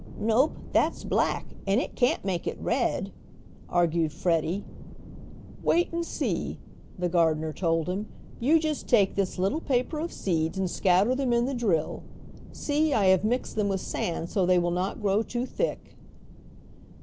"Nope, that's black and it can't make it red?" argued Freddie. "Wait and see," the gardener told him. "You just take this little paper of seeds and scatter them in the drill. See, I have mixed them with sand so they will not grow too thick."